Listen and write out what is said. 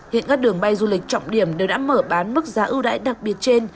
hiện các đường bay du lịch trọng điểm đều đã mở bán mức giá ưu đãi đặc biệt trên